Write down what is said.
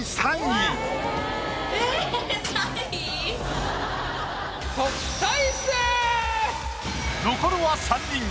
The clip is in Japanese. ええ残るは３人。